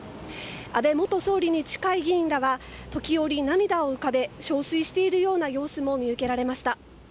安倍元総理に近い議員らは時折涙を浮かべ憔悴しているような様子も見受けられました。